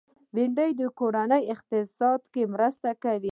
بېنډۍ د کورني اقتصاد مرسته کوي